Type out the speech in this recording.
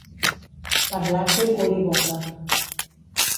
Parlar-li cul i boca.